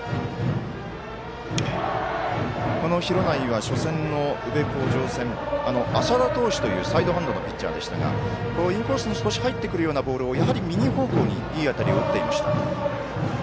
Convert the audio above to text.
この廣内は、初戦の宇部鴻城戦浅田投手というサイドハンドのピッチャーでしたがインコースの少し入ってくるボールをやはり右方向にいい当たりを打っていました。